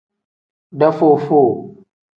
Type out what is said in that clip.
Dafuu-fuu.